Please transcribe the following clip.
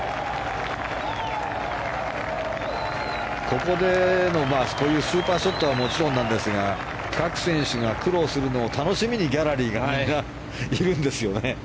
ここでのこういうスーパーショットはもちろんなんですが各選手が苦労するのを楽しみに、ギャラリーがみんな、いるんですよね